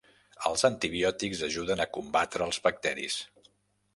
Els antibiòtics ajuden a combatre els bacteris.